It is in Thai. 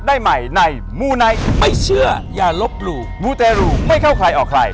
ได้ใหม่ในไม่เชื่อยาลบหลู่ไม่เข้าใครออกใคร